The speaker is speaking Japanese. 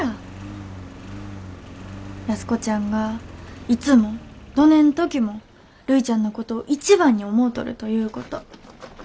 安子ちゃんがいつもどねん時もるいちゃんのことを一番に思うとるということ。